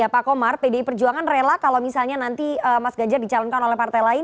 pak komar pdi perjuangan rela kalau misalnya nanti mas ganjar dicalonkan oleh partai lain